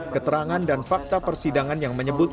keterangan dan fakta persidangan yang menyebut